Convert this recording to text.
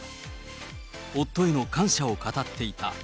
夫への感謝を語っていた。